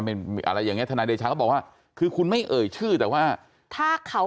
อะไรอย่างเงี้ทนายเดชาก็บอกว่าคือคุณไม่เอ่ยชื่อแต่ว่าถ้าเขา